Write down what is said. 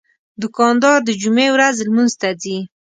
دوکاندار د جمعې ورځ لمونځ ته ځي.